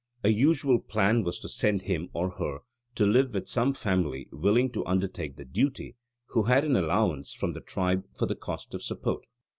A usual plan was to send him (or her) to live with some family willing to undertake the duty, who had an allowance from the tribe for the cost of support.